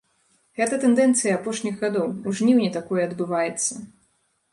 Гэта тэндэнцыя апошніх гадоў, у жніўні такое адбываецца.